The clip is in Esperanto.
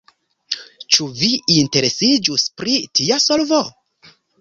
Ĉu vi interesiĝus pri tia solvo?